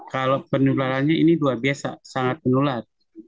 kalau penularannya ini luar biasa sangat menular